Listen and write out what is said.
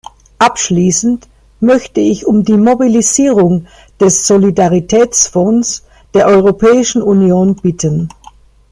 Abschließend möchte ich um die Mobilisierung des Solidaritätsfonds der Europäischen Union bitten.